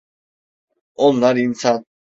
Onlar insan.